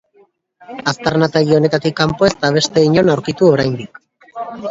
Aztarnategi honetatik kanpo ez da beste inon aurkitu oraindik.